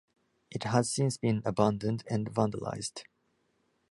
It has since been abandoned and vandalised.